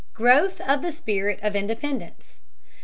Growth of the Spirit of Independence.